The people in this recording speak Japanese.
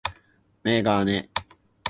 メガネ